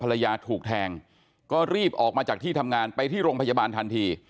ภรรยาถูกแทงก็รีบออกมาจากที่ทำงานไปที่โรงพยาบาลทันที